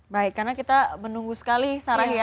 baik karena kita menunggu sekali sarah